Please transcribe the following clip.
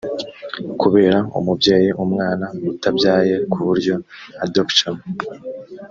kubera umubyeyi umwana utabyaye ku buryo adoption